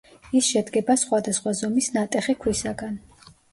ის შედგება სხვადასხვა ზომის ნატეხი ქვისაგან.